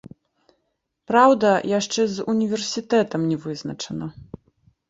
Праўда, яшчэ з універсітэтам не вызначана.